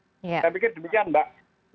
saya pikir demikian mbak